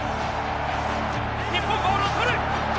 日本ボールを取る。